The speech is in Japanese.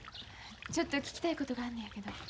ちょっと聞きたいことがあんのやけど。